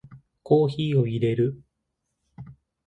コーヒーを淹れる